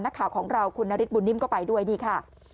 นักข่าวของเราคุณนฤทธบุญนิ่มก็ไปด้วยนี่ค่ะ